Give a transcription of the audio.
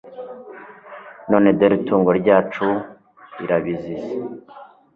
none dore itungo ryacu rirabizize.